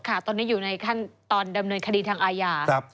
ตอนนี้อยู่ในขั้นตอนดำเนินคดีทางอาญา